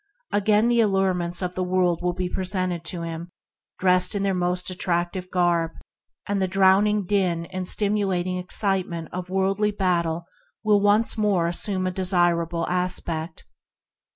Again the allurements of the world will be presented to him, dressed in their most attractive garb, and the drowning din and stimulating excitement of worldly battle will once more assume a desirable aspect.